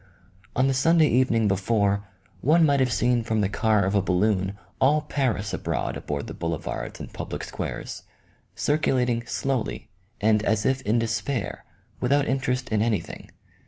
On the Sunday even ing before, one might have seen from the car of a balloon all Paris abroad upon the boule vards and public squares, circulating slowly and as if in despair, without interest in anything.